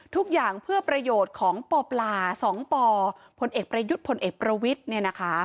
ทุกอย่างเพื่อประโยชน์ของป่อปลาสองป่อผลเอกประยุทธิ์ผลเอกประวิทธิ์